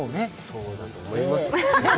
そうだと思います。